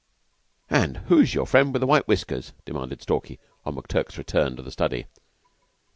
"An' who's your friend with the white whiskers?" demanded Stalky, on McTurk's return to the study.